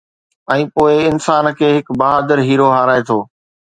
۽ پوءِ انسان کي هڪ بهادر هيرو هارائي ٿو